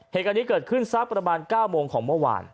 เหตุการณ์นี้เกิดขึ้นสักประมาณ๙โมงของเมื่อวาน